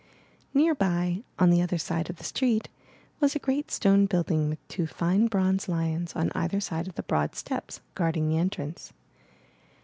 Near by, on the other side of the street, was a great stone building with two fine bronze lions on either side of the broad steps, guard ing the entrance.